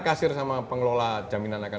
kasir sama pengelola jaminan akan